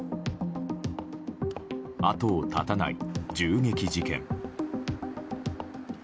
後を絶たない銃撃事件。